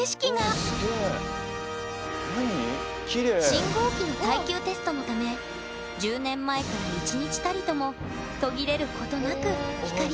信号機の耐久テストのため１０年前から１日たりとも途切れることなく光り続けている。